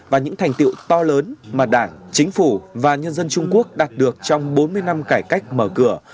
và những thành tiệu to lớn mà đảng chính phủ và nhân dân trung quốc đạt được trong bốn mươi năm cải cách mở cửa